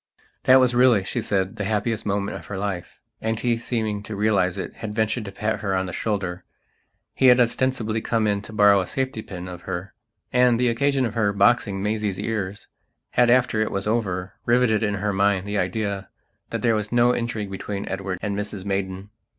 That was really, she said, the happiest moment of her life. And he, seeming to realize it, had ventured to pat her on the shoulder. He had, ostensibly, come in to borrow a safety pin of her. And the occasion of her boxing Maisie's ears, had, after it was over, riveted in her mind the idea that there was no intrigue between Edward and Mrs Maidan.